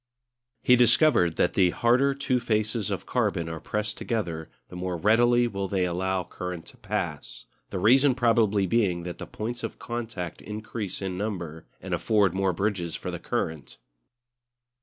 He discovered that the harder two faces of carbon are pressed together the more readily will they allow current to pass; the reason probably being that the points of contact increase in number and afford more bridges for the current.